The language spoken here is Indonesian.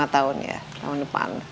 lima tahun ya tahun depan